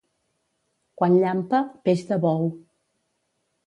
Quan llampa, peix de bou.